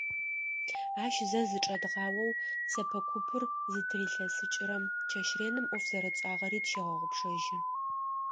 Ащ зэ зычӏэдгъаоу, сэпэ купыр зытырилъэсыкӏырэм, чэщ реным ӏоф зэрэтшӏагъэри тщегъэгъупшэжьы.